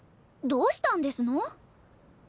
どうしたんですの？